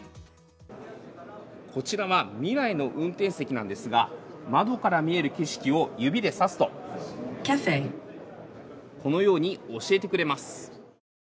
こちらは未来の運転席なんですが窓から見える景色を指でさすとこのように教えてくれます。